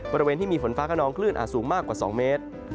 บริเวณที่มีฝนฟ้าขนองคลื่นอาจสูงมากกว่า๒เมตร